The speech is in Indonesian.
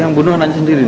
yang bunuh nanti sendiri